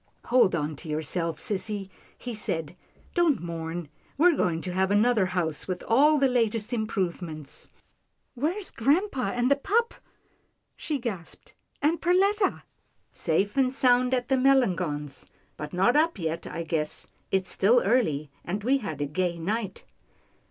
" Hold on to yourself, sissy," he said, " don't 256 'TILDA JANE'S ORPHANS mourn. We're going to have another house with all the latest improvements." " Where's grampa and the pup ?" she gasped, "and Perletta?" " Safe and sound at the Melangons', but not up yet, I guess. It's still early, and we had a gay night."